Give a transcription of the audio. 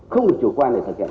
không được chủ quan để thực hiện